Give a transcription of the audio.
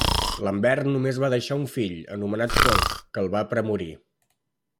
Lambert només va deixar un fill, anomenat Folc, que el va premorir.